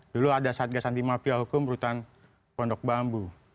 dulu ada satgas anti mafia hukum rutan pondok bambu